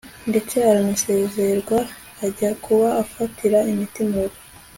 ndetse aranasezerwa ajya kuba afatira imiti murugo